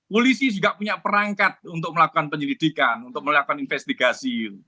polisi juga punya perangkat untuk melakukan penyelidikan untuk melakukan investigasi